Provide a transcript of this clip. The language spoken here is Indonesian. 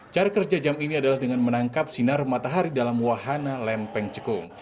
cara kerja jam ini adalah dengan menangkap sinar matahari dalam wahana lempeng cekung